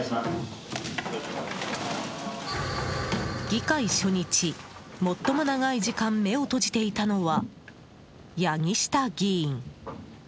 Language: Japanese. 議会初日、最も長い時間目を閉じていたのは八木下議員。